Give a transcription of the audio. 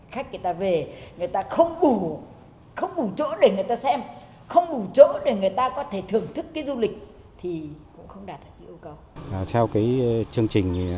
khách người ta về người ta không bù không bù chỗ để người ta xem không bù chỗ để người ta có thể thưởng thức cái du lịch thì cũng không đạt được yêu cầu